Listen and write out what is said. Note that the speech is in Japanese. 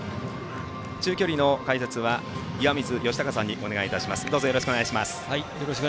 中距離の解説は岩水嘉孝さんにお願いします。